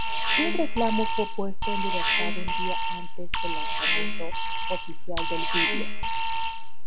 Un reclamo fue puesto en libertad un día antes del lanzamiento oficial del vídeo.